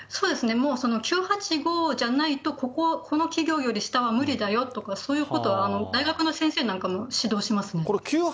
もう９８５じゃないと、この企業より下は無理だよとか、そういうことは大学の先生なんかも指導しますね。